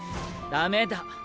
ダメだ。